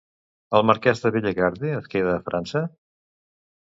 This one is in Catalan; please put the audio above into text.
El marquès de Bellegarde es queda a França?